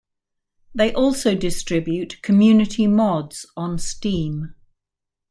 They also distribute community mods on Steam.